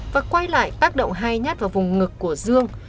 và quay lại tác động hai nhát vào vùng ngực của dương